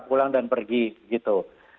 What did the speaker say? pulang dan pergi gitu